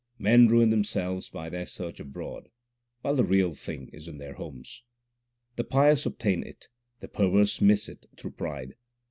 Men ruin themselves by their search abroad while the Real Thing is in their homes. The pious obtain It, the perverse miss It through pride.